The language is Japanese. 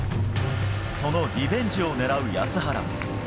そのリベンジを狙う安原。